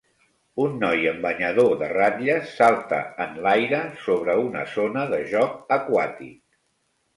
Un noi amb banyador de ratlles salta en l'aire sobre una zona de joc aquàtic.